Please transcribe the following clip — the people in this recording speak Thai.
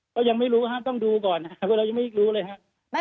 ก็ยังไม่รู้ครับต้องดูก่อนนะครับเพราะเรายังไม่รู้เลยครับ